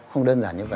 không đơn giản như vậy